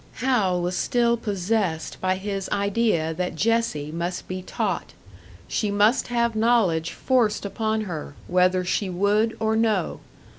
Hal was still possessed by his idea that Jessie must be taught she must have knowledge forced upon her, whether she would or no.